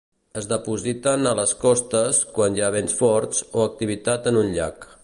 Es depositen a les costes quan hi ha vents forts o activitat en un llac.